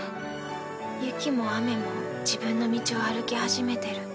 雪も雨も自分の道を歩き始めてる。